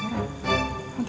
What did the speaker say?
nanti aku ke sana yuk